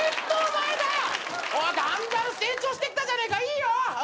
だんだん成長してきたじゃねえかいいよ！